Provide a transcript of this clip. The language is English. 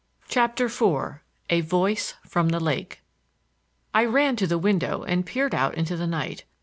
CHAPTER IV A VOICE FROM THE LAKE I ran to the window and peered out into the night.